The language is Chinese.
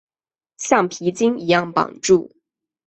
橡皮筋一样绑住